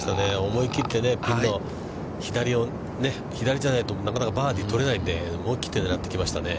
思い切ってね、ピンの左を左じゃないと、バーディーを取れないんで、思い切って狙っていきましたね。